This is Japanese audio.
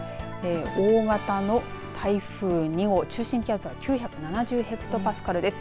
大型の台風２号、中心気圧が９７０ヘクトパスカルです。